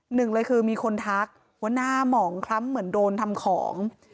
หนึ่งเลยคือมีคนทักว่าหน้าหมองคล้ำเหมือนโดนทำของ